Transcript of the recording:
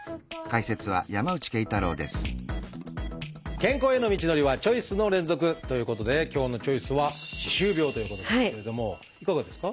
健康への道のりはチョイスの連続！ということで今日の「チョイス」はいかがですか？